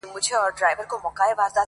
یو تر بله ښه پاخه انډيوالان وه،